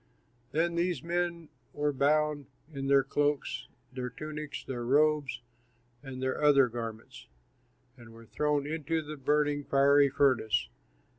Then these men were bound in their cloaks, their tunics, their robes, and their other garments, and were thrown into the burning, fiery furnace.